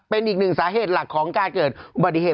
เป็นอีกหนึ่งสาเหตุหลักของการเกิดอุบัติเหตุ